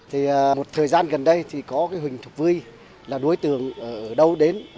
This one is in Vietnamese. thì một thời gian gần đây thì có cái huỳnh thục vy là đối tượng ở đâu đến